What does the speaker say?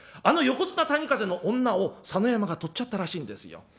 あの横綱谷風の女を佐野山がとっちゃったらしいんですよ。